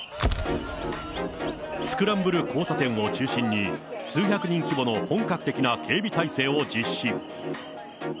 スクランブル交差点を中心に数百人規模の本格的な警備態勢を実施。